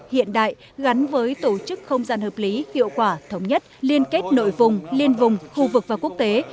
hiện đại gắn với tổ chức không gian hợp lý hiệu quả thống nhất liên kết nội vùng liên vùng khu vực và quốc tế